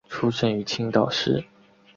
出生于青岛市。